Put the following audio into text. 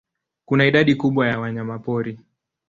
Kuna idadi kubwa ya wanyamapori.